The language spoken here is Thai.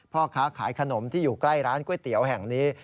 พ่อค้าขายขนมที่อยู่ใกล้ร้านก๋วยเตี๋ยวแห่งนี้